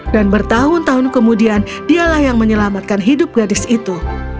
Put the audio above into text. dan bertahun tahun kemudian dialah yang menyelamatkan hidup gadis itu